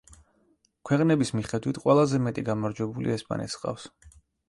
ქვეყნების მიხედვით ყველაზე მეტი გამარჯვებული ესპანეთს ჰყავს.